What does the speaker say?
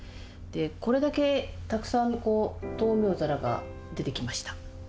これだけたくさん灯明皿が出てきました。